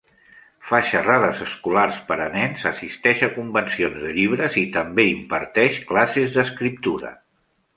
Fa xerrades escolars per a nens, assisteix a convencions de llibres i també imparteix classes d'escriptura.